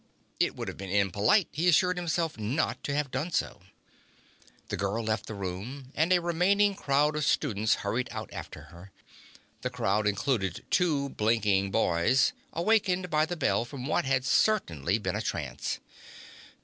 It would have been impolite, he assured himself, not to have done so. The girl left the room, and a remaining crowd of students hurried out after her. The crowd included two blinking boys, awakened by the bell from what had certainly been a trance.